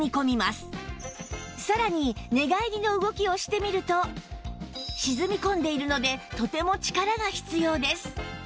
さらに寝返りの動きをしてみると沈み込んでいるのでとても力が必要です